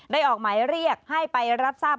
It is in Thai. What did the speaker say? ออกหมายเรียกให้ไปรับทราบ